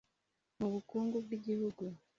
mu bukungu bwi gihugu.